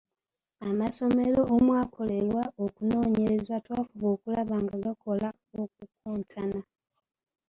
Amasomero omwakolerwa okunoonyereza twafuba okulaba nga gakola okukontana.